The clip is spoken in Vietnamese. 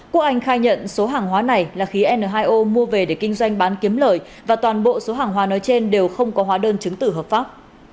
quốc anh khai nhận số hàng hóa này là khí n hai o mua về để kinh doanh bán kiếm lời và toàn bộ số hàng hóa nói trên đều không có hóa đơn chứng tử hợp pháp